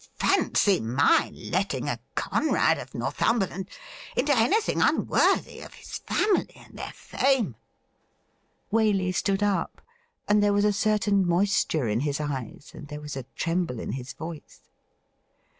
Fancy my letting a Conrad of Northumberland into anything unworthy of his family and their fame !' Waley stood up, and there was a certain moisture in his eyes, and there was a tremble in his voice.